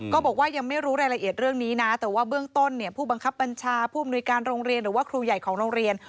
ก็ยังไม่รู้รายละเอียดเรื่องนี้นะแต่ว่าเบื้องต้นเนี่ยผู้บังคับบัญชาผู้อำนวยการโรงเรียนหรือว่าครูใหญ่ของโรงเรียน